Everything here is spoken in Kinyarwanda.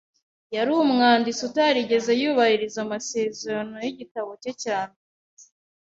Yari umwanditsi utarigeze yubahiriza amasezerano y’igitabo cye cya mbere.